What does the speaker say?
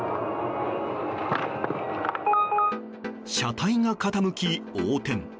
車体が傾き横転。